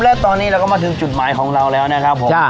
และตอนนี้เราก็มาถึงจุดหมายของเราแล้วนะครับผม